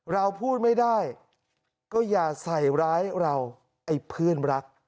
เราพูดไม่ได้ก็อย่าใส่ร้ายเราไอ้เพื่อนรัก